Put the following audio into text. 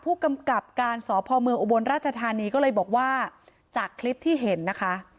ผู้กำกับการสพเมืองอุบลราชธานีก็เลยบอกว่าจากคลิปที่เห็นนะคะ